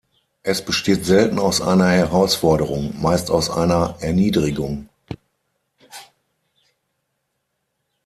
Es besteht selten aus einer Herausforderung, meist aus einer Erniedrigung.